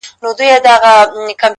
زما د اوښکو په سمار راته خبري کوه